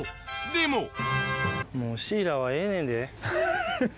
もうシイラはええねんで。